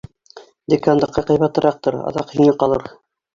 Декандыҡы ҡыйбатыраҡтыр, аҙаҡ һиңә ҡалыр!